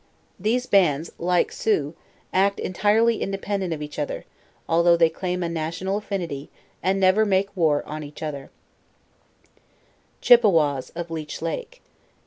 These bands, like Sioux, act entirely independent of of each other, although they claim a national affinity, and never make war on each other* CHIPPEWAYS, OF LEACH LAKE.